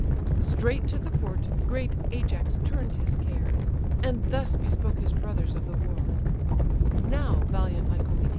Straight to the fort great Ajax turn'd his care, And thus bespoke his brothers of the war: "Now, valiant Lycomede!